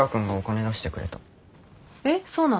えっそうなの？